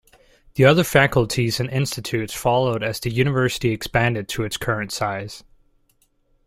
The other faculties and institutes followed as the university expanded to its current size.